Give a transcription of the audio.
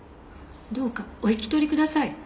どうかお引き取りください。